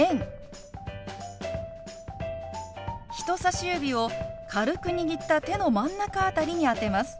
人さし指を軽く握った手の真ん中辺りに当てます。